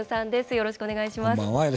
よろしくお願いします。